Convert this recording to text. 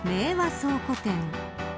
倉庫店。